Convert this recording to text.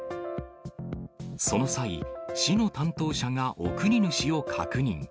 その際、市の担当者が送り主を確認。